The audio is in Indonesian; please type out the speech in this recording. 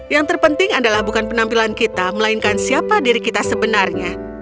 yang terpenting adalah bukan penampilan kita melainkan siapa diri kita sebenarnya